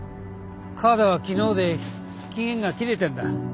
カードは昨日で期限が切れてんだ。